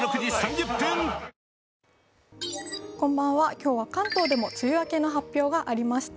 今日は関東でも梅雨明けの発表がありました。